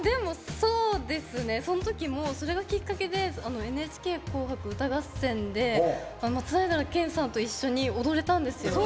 そのときもそれがきっかけで「ＮＨＫ紅白歌合戦」で松平健さんと一緒に踊れたんですよ。